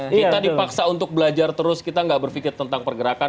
kita dipaksa untuk belajar terus kita nggak berpikir tentang pergerakan